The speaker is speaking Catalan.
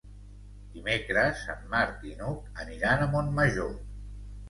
Dimecres en Marc i n'Hug aniran a Montmajor.